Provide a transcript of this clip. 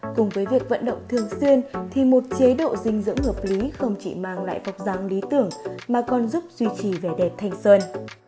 cùng với việc vận động thường xuyên thì một chế độ dinh dưỡng hợp lý không chỉ mang lại phong lý tưởng mà còn giúp duy trì vẻ đẹp thanh sơn